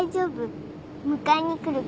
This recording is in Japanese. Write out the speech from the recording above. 迎えに来るから。